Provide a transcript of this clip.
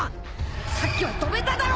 さっきは飛べただろ！